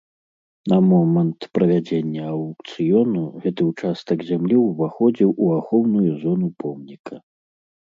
На момант правядзення аўкцыёну гэты ўчастак зямлі ўваходзіў у ахоўную зону помніка.